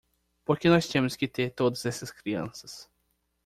Por que nós temos que ter todas essas crianças?